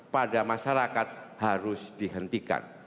pada masyarakat harus dihentikan